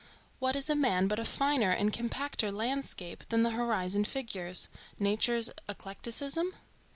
What is a man but a finer and compacter landscape than the horizon figures,—nature's eclecticism?